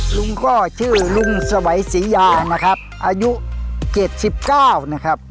ลุงก็ชื่อลุงสวัยศรียานะครับอายุเจ็ดสิบเก้านะครับ